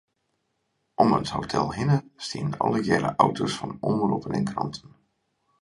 Om it hotel hinne stiene allegearre auto's fan omroppen en kranten.